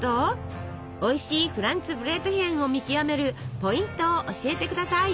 おいしいフランツブレートヒェンを見極めるポイントを教えて下さい！